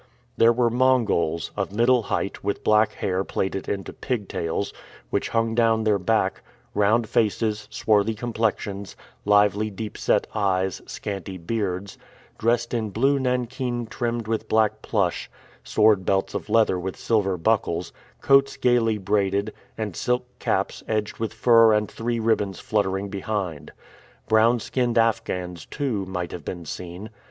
There were Mongols of middle height, with black hair plaited into pigtails, which hung down their back; round faces, swarthy complexions, lively deep set eyes, scanty beards dressed in blue nankeen trimmed with black plush, sword belts of leather with silver buckles, coats gayly braided, and silk caps edged with fur and three ribbons fluttering behind. Brown skinned Afghans, too, might have been seen.